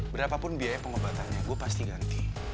berapapun biaya pengobatannya gue pasti ganti